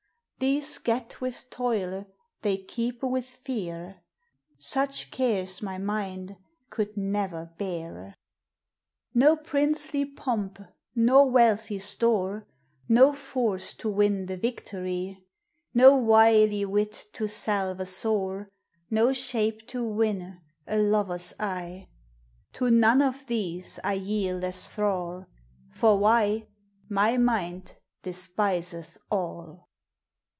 These get with toile, they keepe with feare ; Such cares my minde could never beai No princely pompe nor well hie store, No force to win the victorie, No wylie wit to salve a sore, No shape to winne a lover's eye, — To none of these I yeeld ;i* thrall ; For why, my mind despiseth all.